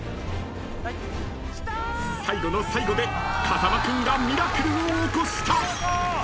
［最後の最後で風間君がミラクルを起こした］